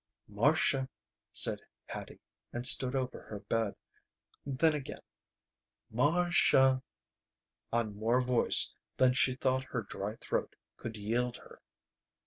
"Marcia," said Hattie, and stood over her bed. Then again, "Mar cia!" On more voice than she thought her dry throat could yield her.